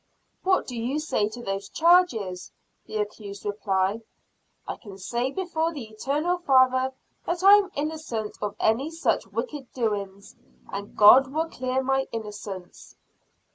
"What do you say to those charges?" The accused replied: "I can say before the eternal Father that I am innocent of any such wicked doings, and God will clear my innocence."